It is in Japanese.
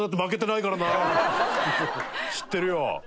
知ってるよ！